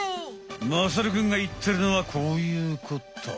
まさるくんがいっているのはこういうこと。